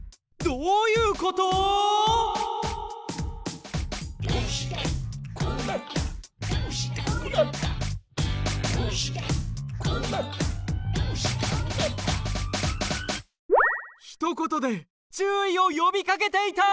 どうしてこうなった？」ひとことで注意をよびかけていた！